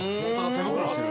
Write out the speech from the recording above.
手袋してる。